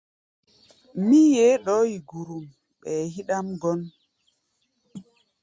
Mí yeé ɗɔɔ́ yi gurum ɓɛɛ híɗʼám gɔ́n.